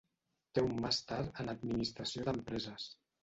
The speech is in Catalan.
Té un màster en Administració d'Empreses.